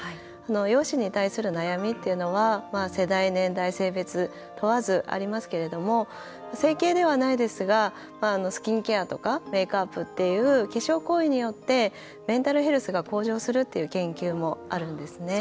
容姿に対する悩みっていうのは世代、年代、性別問わずありますけれども整形ではないですがスキンケアとか、メーキャップっていう化粧行為によってメンタルヘルスが向上するっていう研究もあるんですね。